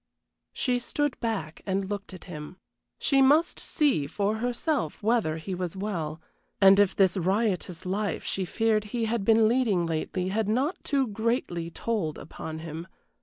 She stood back and looked at him. She must see for herself whether he was well, and if this riotous life she feared he had been leading lately had not too greatly told upon him.